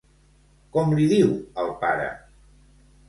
Com li diu al pare?